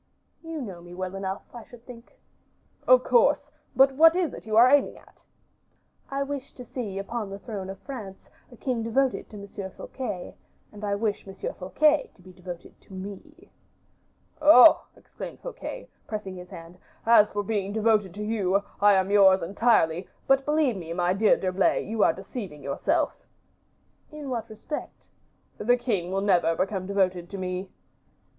"You know me well enough, I should think." "Of course; but what is it you are aiming at?" "I wish to see upon the throne of France a king devoted to Monsieur Fouquet, and I wish Monsieur Fouquet to be devoted to me." "Oh!" exclaimed Fouquet, pressing his hand, "as for being devoted to you, I am yours, entirely; but believe me, my dear D'Herblay, you are deceiving yourself." "In what respect?" "The king will never become devoted to me."